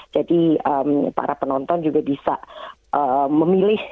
para penonton juga bisa memilih